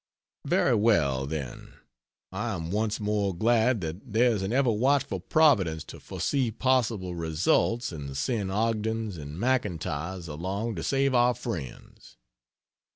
Very well, then, I am once more glad that there is an Ever watchful Providence to foresee possible results and send Ogdens and McIntyres along to save our friends.